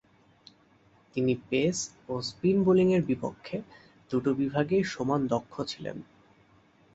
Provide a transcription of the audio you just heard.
তিনি পেস ও স্পিন বোলিংয়ের বিপক্ষে দু’টো বিভাগেই সমান দক্ষ ছিলেন।